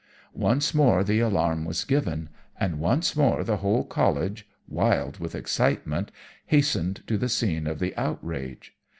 "Once more the alarm was given, and once again the whole College, wild with excitement, hastened to the scene of the outrage.